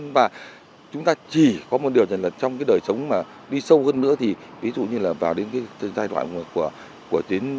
và chúng ta chỉ có một điều rằng là trong cái đời sống mà đi sâu hơn nữa thì ví dụ như là vào đến cái giai đoạn của tuyến